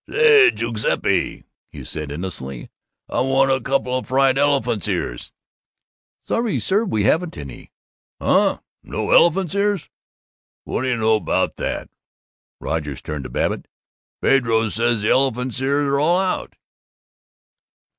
"Say, Gooseppy," he said innocently, "I want a couple o' fried elephants' ears." "Sorry, sir, we haven't any." "Huh? No elephants' ears? What do you know about that!" Rogers turned to Babbitt. "Pedro says the elephants' ears are all out!"